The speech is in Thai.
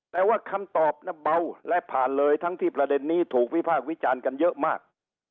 แต่ว่าคำตอบเบาและผ่านเลยทั้งที่ประเด็นนี้ถูกวิพากษ์วิจารณ์กันเยอะมาก